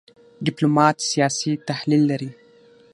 ډيپلومات سیاسي تحلیل لري .